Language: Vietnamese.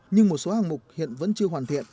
nhưng một số hàng mục hiện vẫn chưa hoàn thiện